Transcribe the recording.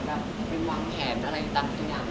อเจมส์มีหวังแพงอะไรตลกอย่างไหมบ้าง